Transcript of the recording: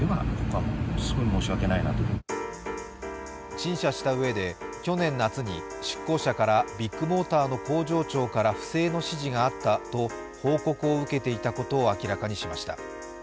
陳謝したうえで、去年夏に出向者からビッグモーターの工場長から不正の指示があったと報告を受けていたことを明らかにしました。